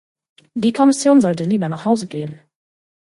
Die Kommission sollte lieber nach Hause gehen.